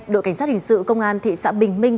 đội cảnh sát hình sự công an thị xã bình minh